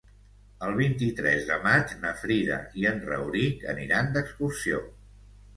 El vint-i-tres de maig na Frida i en Rauric aniran d'excursió.